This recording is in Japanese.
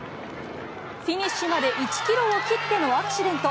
フィニッシュまで１キロを切ってのアクシデント。